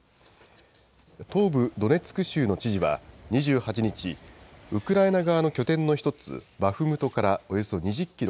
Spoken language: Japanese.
東部ドネツク州の知事は２８日、ウクライナ側の拠点の一つ、バフムトからおよそ２０キロ